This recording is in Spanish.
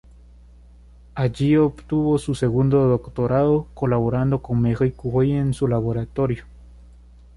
Allí obtuvo un segundo doctorado, colaborando con Marie Curie en su laboratorio.